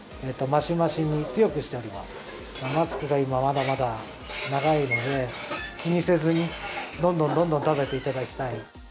マスクが今、まだまだ長いので、気にせずにどんどんどんどん食べていただきたい。